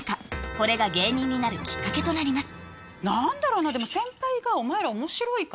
これが芸人になるきっかけとなります